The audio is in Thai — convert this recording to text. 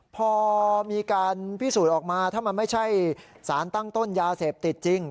พอมีการพิสูจน์ออกมาถ้ามันไม่ใช่สารตั้งต้นยาเสพติดจริง